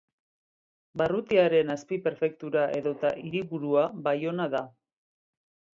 Barrutiaren azpi-prefektura edota hiriburua Baiona da.